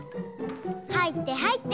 はいってはいって。